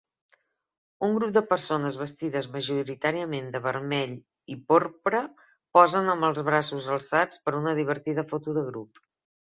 Un grup de persones vestides majoritàriament de vermell i porpra posen amb els braços alçats per a una divertida foto de grup